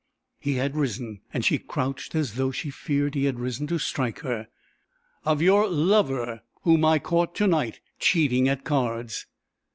He had risen and she crouched as though she feared he had risen to strike her. "Of your lover whom I caught to night cheating at cards."